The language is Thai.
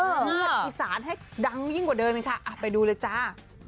ปริสารให้ดังยิ่งกว่าเดิมอ่ะไปดูเลยจ้า